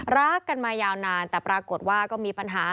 รักกันมายาวนานแต่ปรากฏว่าก็มีปัญหา